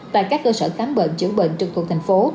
và các cơ sở khám bệnh chữa bệnh trực thuộc thành phố